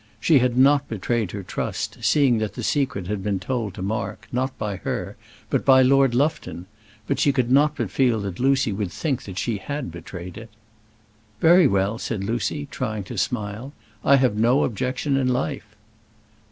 She had not betrayed her trust, seeing that the secret had been told to Mark, not by her, but by Lord Lufton; but she could not but feel that Lucy would think that she had betrayed it. "Very well," said Lucy, trying to smile; "I have no objection in life."